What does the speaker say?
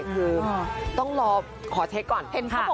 คือต้องรอขอเช็คก่อน